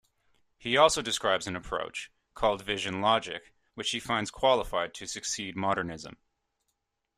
He also describes an approach, called vision-logic, which he finds qualified to succeed modernism.